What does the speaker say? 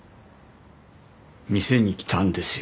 店に来たんですよ